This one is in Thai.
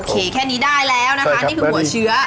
แค่นี้ได้แล้วนะคะนี่คือหัวเชื้อ